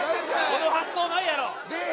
この発想ないやろ出え